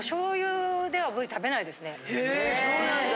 へぇそうなんだ！